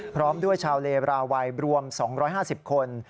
พร้อมด้วยชาวเลบราวัยรวม๒๕๐คน